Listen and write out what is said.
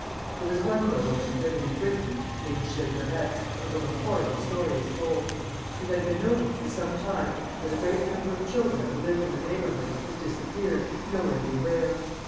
There was one nobleman, living in Brittany, named Gilles de Eetz, of whom a horrible story is told. It had been noticed for some time that a great number of children who lived in the neighbourhood had disappeared, no one knew where.